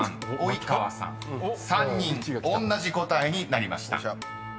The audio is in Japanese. ［３人おんなじ答えになりました］